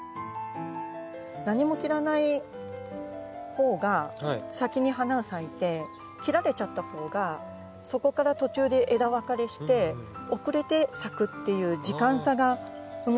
何も切らないほうが先に花が咲いて切られちゃったほうがそこから途中で枝分かれして遅れて咲くっていう時間差が生まれるんですよ。